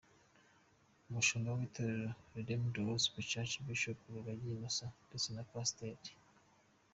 Umushumba w’itorero Redeemed Gospel Church Bishop Rugagi Innocent ndetse na Pasiteri Rev.